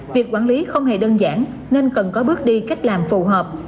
việc quản lý không hề đơn giản nên cần có bước đi cách làm phù hợp